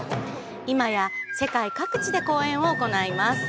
今や世界各地で公演を行います。